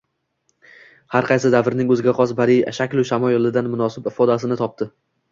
har qaysi davrning o‘ziga xos badiiy shaklu shamoyilida munosib ifodasini topdi.